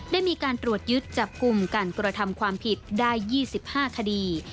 ได้มีการตรวจยึดจับกลุ่มการกระทำความผิดได้๒๕คดี